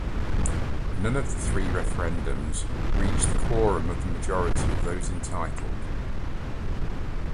None of the three referendums reached the quorum of the majority of those entitled.